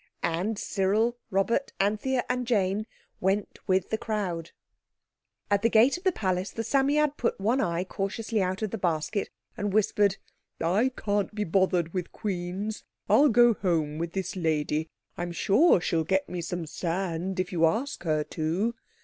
And Cyril, Robert, Anthea and Jane, went with the crowd. At the gate of the palace the Psammead put one eye cautiously out of the basket and whispered— "I can't be bothered with queens. I'll go home with this lady. I'm sure she'll get me some sand if you ask her to."